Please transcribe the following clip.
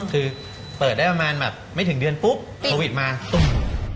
คือเปิดได้ประมาณแบบไม่ถึงเดือนปุ๊บโควิดมาตุ้ม